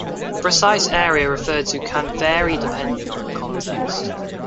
The precise area referred to can vary depending on the context.